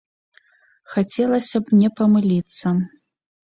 Хацелася б не памыліцца.